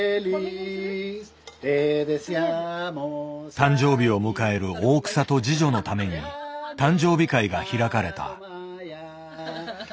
誕生日を迎える大草と次女のために誕生日会が開かれた。